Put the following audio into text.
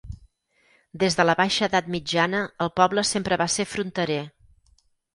Des de la baixa edat mitjana, el poble sempre va ser fronterer.